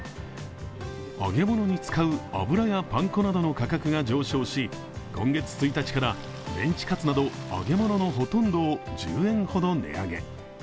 揚げ物に使う油やパン粉などの価格が上昇し今月１日から、メンチカツなど揚げ物のほとんどを１０円ほど値上げ。